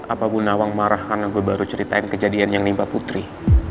apa bu nawang marah karena gue baru ceritain kejadian yang nipah putri